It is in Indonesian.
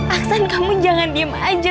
aksen kamu jangan diem aja